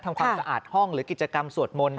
ทำความสะอาดห้องหรือกิจกรรมสวดมนต์